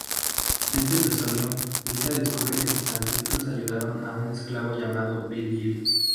En este episodio, Lisa descubre que sus ancestros ayudaron a un esclavo llamado Virgil.